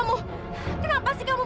kamu pasti yang palsu